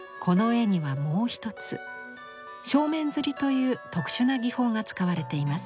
この絵にはもう一つ正面摺という特殊な技法が使われています。